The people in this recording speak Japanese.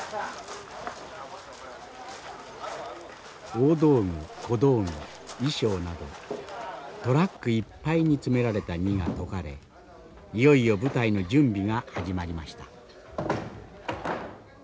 大道具小道具衣装などトラックいっぱいに詰められた荷が解かれいよいよ舞台の準備が始まりました。